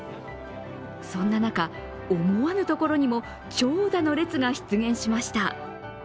そんな中、思わぬところにも長蛇の列が出現しました。